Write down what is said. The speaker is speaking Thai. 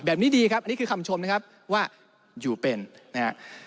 ดีครับอันนี้คือคำชมนะครับว่าอยู่เป็นนะครับ